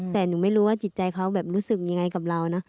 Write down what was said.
แต่หนูไม่รู้ว่าจิตใจเขาแบบรู้สึกยังไงกับเรานะ